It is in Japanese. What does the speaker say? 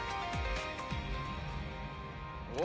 お！